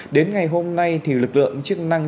đến ngày hôm nay thì lực lượng chức năng